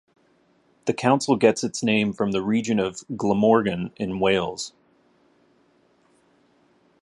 The council gets its name from the region of Glamorgan in Wales.